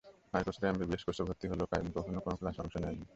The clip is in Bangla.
পাঁচ বছরের এমবিবিএস কোর্সে ভর্তি হলেও কাইয়ুম কখনো কোনো ক্লাসে অংশ নেননি।